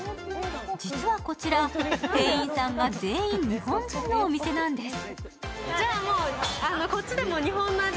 実はこちら店員さんが全員、日本人のお店なんです。